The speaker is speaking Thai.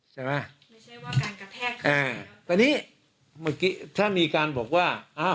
ไม่ใช่ว่าการกระแทกค่ะอ่าตอนนี้เมื่อกี้ถ้ามีการบอกว่าอ้าว